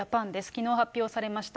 きのう発表されました。